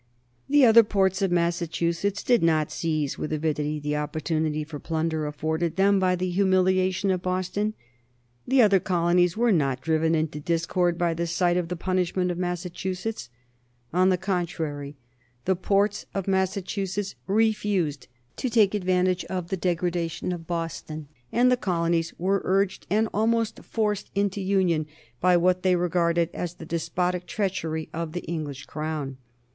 The other ports of Massachusetts did not seize with avidity the opportunity for plunder afforded them by the humiliation of Boston. The other colonies were not driven into discord by the sight of the punishment of Massachusetts. On the contrary, the ports of Massachusetts refused to take advantage of the degradation of Boston, and the colonies were urged, and almost forced, into union by what they regarded as the despotic treachery of the English Crown.